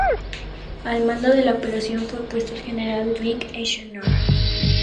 Al mando de la operación fue puesto el General Dwight Eisenhower.